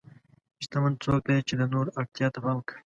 شتمن څوک دی چې د نورو اړتیا ته پام کوي.